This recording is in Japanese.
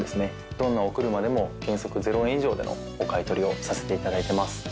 どんなお車でも原則０円以上でのお買取をさせていただいてます